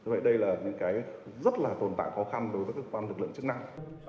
vậy đây là những cái rất là tồn tại khó khăn đối với các lực lượng chức năng